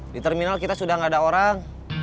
di terminal kita sudah tidak ada orang